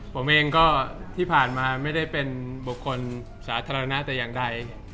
ผมเองก็ที่ผ่านมาไม่ได้เป็นบุคคลสาธารณะแต่อย่างใด